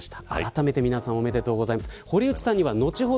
あらためて、皆さんおめでとうございます。